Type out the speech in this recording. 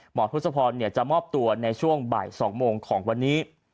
ทศพรจะมอบตัวในช่วงบ่าย๒โมงของวันนี้